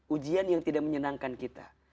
ujian yang tidak menyenangkan kita